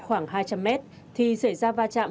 khoảng hai trăm linh mét thì xảy ra va chạm